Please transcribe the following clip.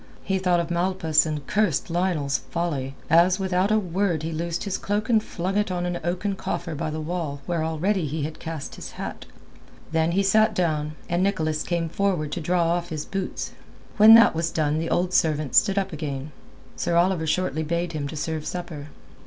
He thought of Malpas and cursed Lionel's folly, as, without a word, he loosed his cloak and flung it on an oaken coffer by the wall where already he had cast his hat. Then he sat down, and Nicholas came forward to draw off his boots. When that was done and the old servant stood up again, Sir Oliver shortly bade him to serve supper.